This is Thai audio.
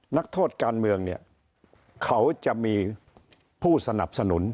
นักโทษการเมืองเนี่ยเขาจะมีผู้สนับสนุน